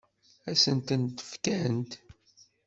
Ad sent-ten-fkent?